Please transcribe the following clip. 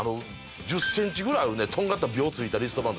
１０センチぐらいあるとんがったびょうついたリストバンド